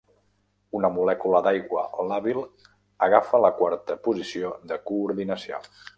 Una molècula d"aigua làbil agafa la quarta posició de coordinació.